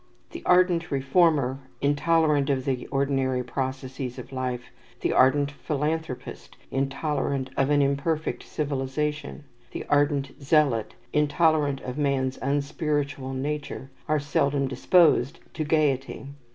The ardent reformer, intolerant of the ordinary processes of life, the ardent philanthropist, intolerant of an imperfect civilization, the ardent zealot, intolerant of man's unspiritual nature, are seldom disposed to gayety.